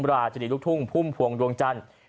ราชินีลูกทุ่งพุ่มพวงดวงจันทร์